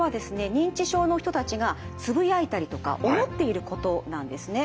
認知症の人たちがつぶやいたりとか思っていることなんですね。